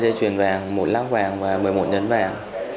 một dây chuyền vàng một lác vàng và một mươi một nhấn vàng